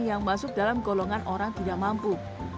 yang masuk dalam golongan orang tidak mampu